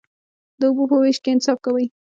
د اوبو په ویش کې انصاف کوئ؟